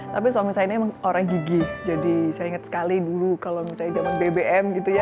tapi suami saya ini orang gigi jadi saya ingat sekali dulu kalau misalnya zaman bbm gitu ya